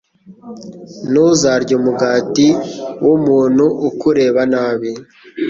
Ntuzarye umugati w’umuntu ukureba nabi